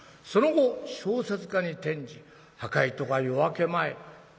その後小説家に転じ『破戒』とか『夜明け前』。